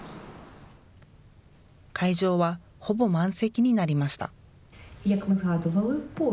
会場はほぼ満席になりました。